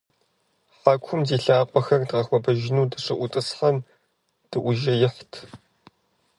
Хьэкум ди лъакъуэхэр дгъэхуэбэжыну дыщыӏутӀысхьэм, дыӏужеихьырт.